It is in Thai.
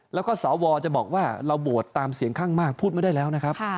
แล้วก็สวจะบอกว่าเราโหวตตามเสียงข้างมากพูดไม่ได้แล้วนะครับ